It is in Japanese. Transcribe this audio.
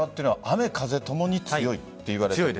雨風ともに強いといわれている。